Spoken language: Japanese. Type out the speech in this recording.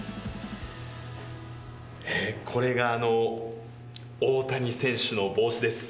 えー、これがあの、大谷選手の帽子です。